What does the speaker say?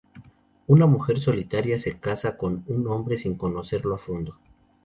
Una mujer solitaria se casa con un hombre sin conocerlo a fondo.